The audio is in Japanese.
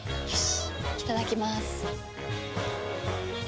いただきまーす。